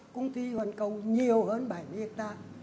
công ty hoàn cầu nhiều hơn bảy mươi ha